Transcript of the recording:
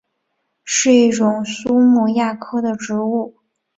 是一种苏木亚科的植物。